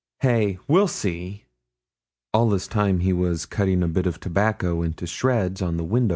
Hey? we'll see.' All this time he was cutting a bit of tobacco into shreds on the window stone.